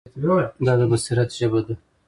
دا د بصیرت ژبه ده.